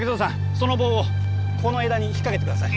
その棒をこの枝に引っ掛けて下さい。